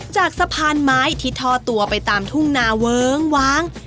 จากสะพานไม้ที่ท่อตัวไปตามทุ่งนาเวิ้งว้าง